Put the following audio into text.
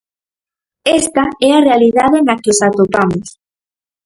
Esta é a realidade na que os atopamos.